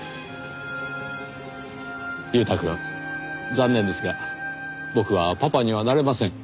裕太くん残念ですが僕はパパにはなれません。